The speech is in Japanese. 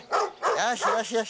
よーし、よしよし。